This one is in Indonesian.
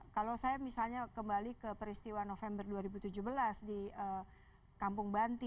kalau saya misalnya kembali ke peristiwa november dua ribu tujuh belas di kampung banti